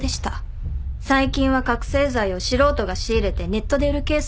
最近は覚醒剤を素人が仕入れてネットで売るケースが多い。